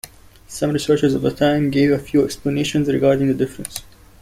Some researchers of the time gave a few explanations regarding the difference.